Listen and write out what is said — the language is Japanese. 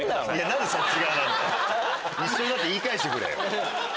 一緒になって言い返してくれ！